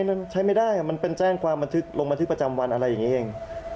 มันใช้ไม่ได้มันเป็นแจ้งความบันทึกลงบันทึกประจำวันอะไรอย่างนี้เอง